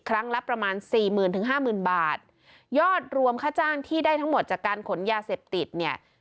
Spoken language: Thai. ครั้งละประมาณสี่หมื่นถึงห้าหมื่นบาทยอดรวมค่าจ้างที่ได้ทั้งหมดจากการขนยาเสพติดเนี่ย